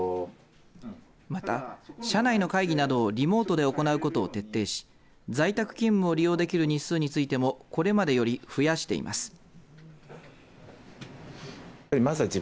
また、社内の会議などをリモートで行うことを徹底し在宅勤務を利用できる日数についてもこれまでより増やしています。